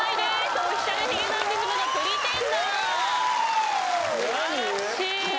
Ｏｆｆｉｃｉａｌ髭男ｄｉｓｍの『Ｐｒｅｔｅｎｄｅｒ』素晴らしい！